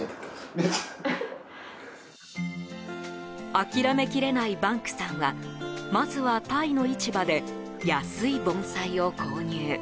諦めきれないバンクさんはまずは、タイの市場で安い盆栽を購入。